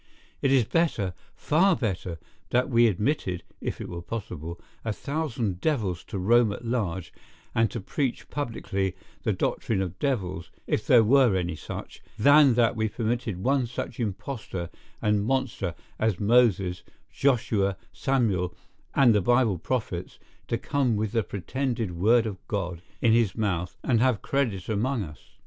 It is better, far better, that we admitted, if it were possible, a thousand devils to roam at large, and to preach publicly the doctrine of devils, if there were any such, than that we permitted one such impostor and monster as Moses, Joshua, Samuel, and the Bible prophets, to come with the pretended word of God in his mouth, and have credit among us.